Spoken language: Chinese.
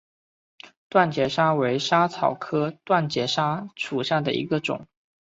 断节莎为莎草科断节莎属下的一个种。